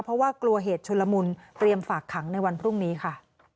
เพราะว่ากลัวเหตุชุนละมุนเตรียมฝากขังในวันพรุ่งนี้ค่ะ